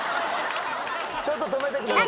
ちょっと止めてください